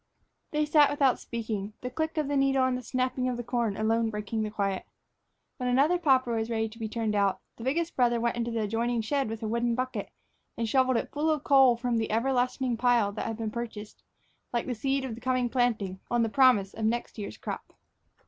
They sat without speaking, the click of the needle and the snapping of the corn alone breaking the quiet. When another popper was ready to be turned out, the biggest brother went into the adjoining shed with a wooden bucket and shoveled it full of coal from the ever lessening pile that had been purchased, like the seed for the coming planting, on the promise of the next year's crop.